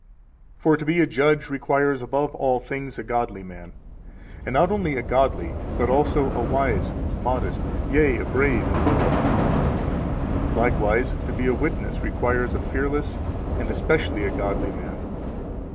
259 For to be a judge requires above all things a godly man, and not only a godly, but also a wise, modest, yea, a brave and hold man; likewise, to be a witness requires a fearless and especially a godly man.